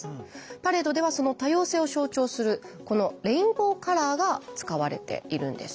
パレードではその多様性を象徴するこのレインボーカラーが使われているんです。